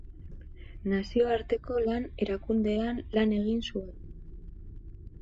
Nazioarteko Lan Erakundean lan egin zuen.